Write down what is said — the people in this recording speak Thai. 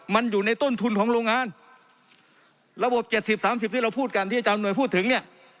มันอยู่ในต้นทุนของโรงงานระบบ๗๐๓๐ที่เราพูดกันที่อาจารย์หน่วยพูดถึงเนี่ย